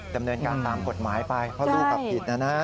ดำเนินการตามกฎหมายไปเพราะลูกผิดนะนะ